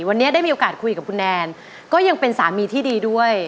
วันนี้ได้มีโอกาสคุยกับคุณแนนก็ยังเป็นสามีที่ดีด้วย